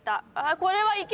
これはいけたよ